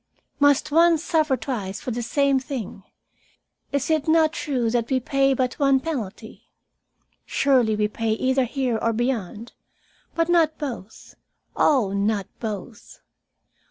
"Must one suffer twice for the same thing? Is it not true that we pay but one penalty? Surely we pay either here or beyond, but not both. Oh, not both!